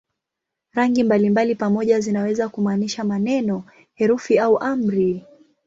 Rangi mbalimbali pamoja zinaweza kumaanisha maneno, herufi au amri.